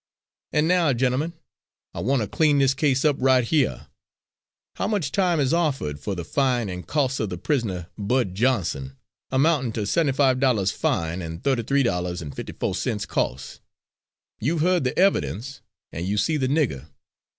And now, gentlemen, I want to clean this case up right here. How much time is offered for the fine and costs of the prisoner, Bud Johnson, amounting to seventy five dollars fine and thirty three dollars and fifty fo' cents costs? You've heard the evidence an' you see the nigger.